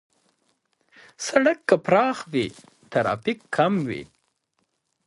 سړک که پراخ وي، ترافیک کم وي.